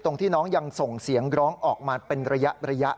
ที่น้องยังส่งเสียงร้องออกมาเป็นระยะ